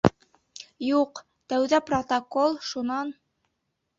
Юҡ, тәүҙә протокол, шунан...